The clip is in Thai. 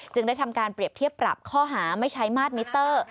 ได้ทำการเปรียบเทียบปรับข้อหาไม่ใช้มาตรมิเตอร์